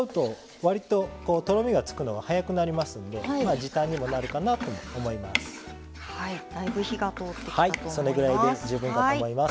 わりと、とろみがつくのが早くなりますので時短にもなるかなと思います。